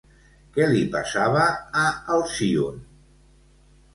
Què li passava a Alcíone?